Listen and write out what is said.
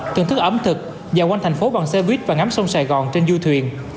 thưởng thức ẩm thực dạo quanh thành phố bằng xe buýt và ngắm sông sài gòn trên du thuyền